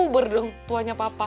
berdung tuanya papa